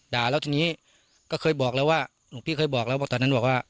แล้วทีนี้ก็เคยบอกแล้วว่าหลวงพี่เคยบอกแล้วว่าตอนนั้นบอกว่า